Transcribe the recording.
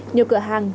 nhiều cửa hàng